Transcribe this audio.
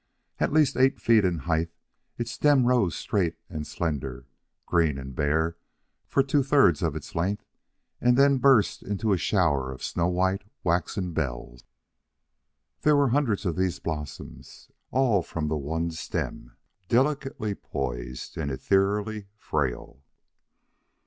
At least eight feet in height, its stem rose straight and slender, green and bare for two thirds its length, and then burst into a shower of snow white waxen bells. There were hundreds of these blossoms, all from the one stem, delicately poised and ethereally frail.